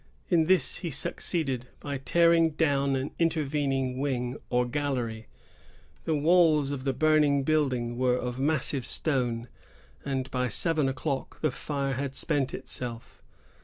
In this he succeeded, by tearing down an intervening wing or gallery. The walls of the burning building were of massive stone, and by seven o'clock the fire had spent itself.